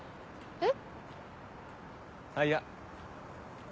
えっ？